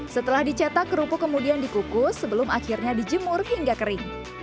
setelah dicetak kerupuk kemudian dikukus sebelum akhirnya dijemur hingga kering